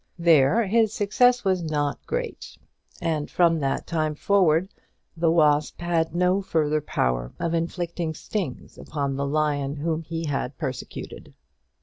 There his success was not great; and from that time forward the wasp had no further power of inflicting stings upon the lion whom he had persecuted.